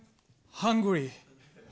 ハングリー？